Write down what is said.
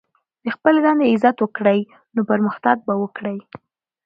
د خپلي دندې عزت وکړئ، نو پرمختګ به وکړئ!